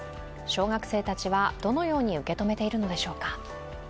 小学生たちはどのように受け止めているのでしょうか。